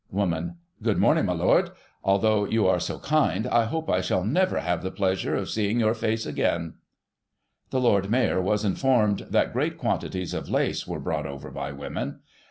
Woman : Good morning, my Lord. Although you are so kind, I hope I shall never have the pleasure of seeing your face again. The Lord Mayor was informed that great quantities of Digiti ized by Google 1838] BULL BAITING. 69 lace Were brought over by women.